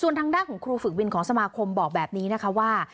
ทางด้านของครูฝึกวินของสมาคมบอกแบบนี้นะคะว่า